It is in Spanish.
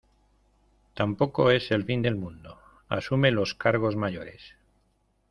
tampoco es el fin del mundo. asume los cargos mayores .